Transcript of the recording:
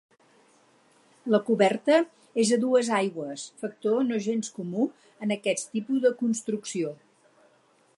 La coberta és a dues aigües, factor no gens comú en aquest tipus de construcció.